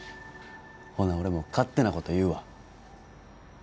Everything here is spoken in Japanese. ほな俺も勝手なこと言うわ。